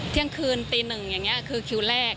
ที่ที่๑มคือคิวแรก